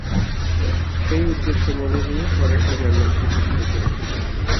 সেই উদ্দেশ্য মনে নিয়ে ফরাসি জর্মন শেখা শুরু করেছিল।